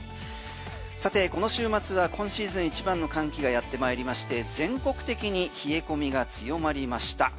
さてこの週末は今シーズン一番の寒気がやってまいりまして全国的に冷え込みが強まりました。